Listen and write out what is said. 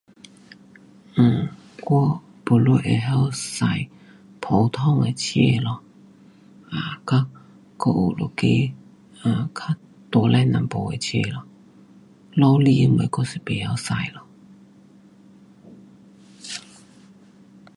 um 我 baru 会晓驾普通的车咯。um 较，还有一个较大辆一点的车咯，罗厘什么我是不会驾咯。